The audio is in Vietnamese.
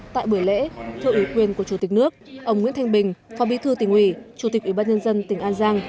tại buổi lễ thưa ủy quyền của chủ tịch nước ông nguyễn thanh bình phó bí thư tỉnh ủy chủ tịch ủy ban nhân dân tỉnh an giang